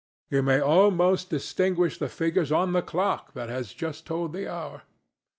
You may almost distinguish the figures on the clock that has just told the hour.